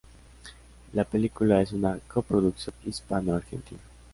La película es una coproducción hispanoargentina.